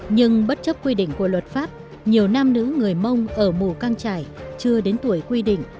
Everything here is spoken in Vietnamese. nhưng bất chấp quy định của luật pháp nhiều nam nữ người mông ở mù căng trải chưa đến tuổi quy định